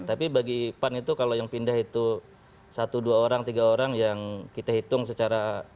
tapi bagi pan itu kalau yang pindah itu satu dua orang tiga orang yang kita hitung secara